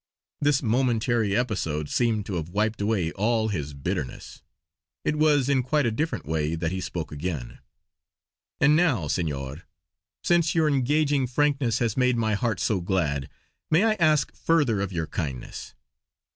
This momentary episode seemed to have wiped away all his bitterness; it was in quite a different way that he spoke again: "And now, Senor, since your engaging frankness has made my heart so glad, may I ask further of your kindness.